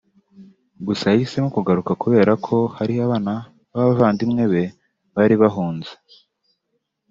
Gusa yahisemo kugaruka kubera ko hari abana b’abavandimwe be bari bahunze